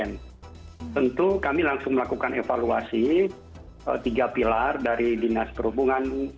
tentu kami langsung melakukan evaluasi tiga pilar dari dinas perhubungan